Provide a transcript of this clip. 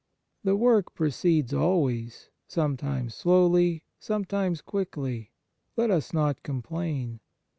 The work proceeds always, some times slowly, sometimes quickly. Let us not complain.